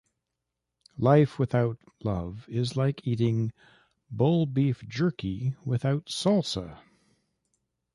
Life without love is like eating bull-beef jerky without salsa!